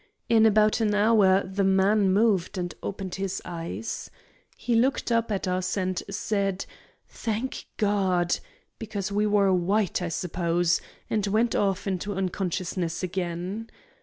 In about an hour the man moved and opened his eyes. He looked up at us and said, 'Thank God!' because we were white, I suppose and went off into unconsciousness again.